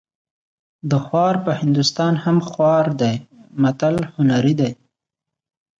د خوار په هندوستان هم خوار دی متل هنري دی